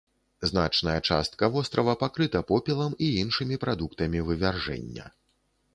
Значная частка вострава пакрыта попелам і іншымі прадуктамі вывяржэння.